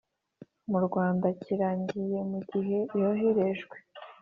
mu Rwanda kirangiye mu gihe yoherejwe